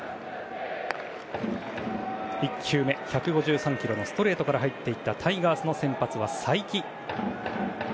１球目１５８キロのストレートから入っていったタイガースの先発は才木。